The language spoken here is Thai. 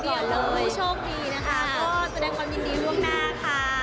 ขอแสดงความยินดีนะคะก็แสดงความยินดีร่วมหน้าค่ะ